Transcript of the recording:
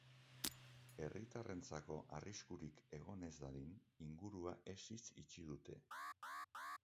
Herritarrentzako arriskurik egon ez dadin, ingurua hesiz itxi dute.